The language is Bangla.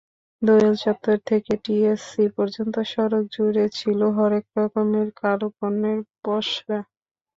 দোয়েল চত্বর থেকে টিএসসি পর্যন্ত সড়কজুড়ে ছিল হরেক রকমের কারুপণ্যের পসরা।